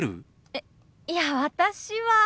えいや私は。